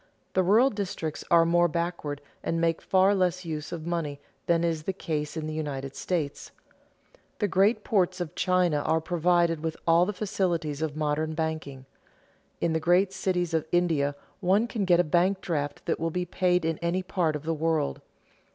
The rural districts are more backward and make far less use of money than is the case in the United States. The great ports of China are provided with all the facilities of modern banking. In the great cities of India one can get a bank draft that will be paid in any part of the world.